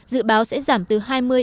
dự báo sẽ giảm từ ba mươi